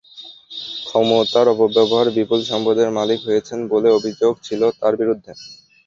ক্ষমতার অপব্যবহার বিপুল সম্পদের মালিক হয়েছেন বলে অভিযোগ ছিল তাঁর বিরুদ্ধে।